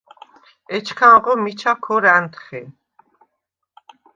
ეჩქანღო მიჩა ქორ ა̈ნთხე.